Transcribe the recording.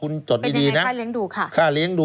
คุณนิวจดไว้หมื่นบาทต่อเดือนมีค่าเสี่ยงให้ด้วย